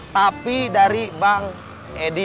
tapi dari bang edi